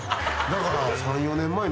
だから。